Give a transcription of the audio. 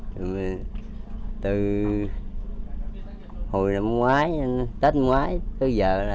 rồi từ hồi năm ngoái tết ngoái tới giờ là